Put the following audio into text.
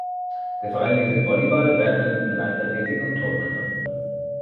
Der Verein bietet Volleyball, Badminton, Leichtathletik und Turnen an.